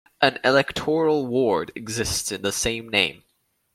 An electoral ward exists in the same name.